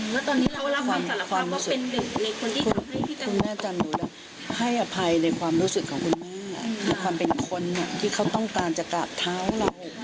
ในความเป็นคนที่เขาต้องการจะกากเท้าเรา